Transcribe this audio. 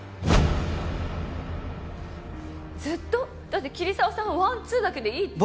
だって桐沢さんはワンツーだけでいいって。